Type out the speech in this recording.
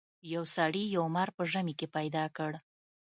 یو سړي یو مار په ژمي کې پیدا کړ.